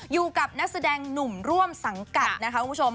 อยู่กับนักแสดงหนุ่มร่วมสังกัดนะคะคุณผู้ชม